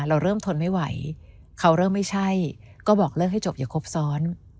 เราเริ่มทนไม่ไหวเขาเริ่มไม่ใช่ก็บอกเลิกให้จบอย่าครบซ้อน